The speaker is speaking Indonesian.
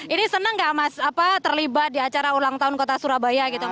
ini seneng nggak mas apa terlibat di acara ulang tahun kota surabaya gitu